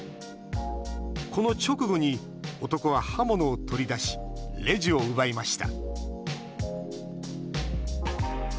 この直後に男は刃物を取り出しレジを奪いました。